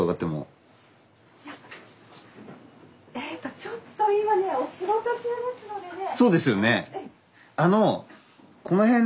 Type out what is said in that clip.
ちょっと今ねお仕事中ですのでね。